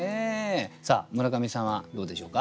さあ村上さんはどうでしょうか？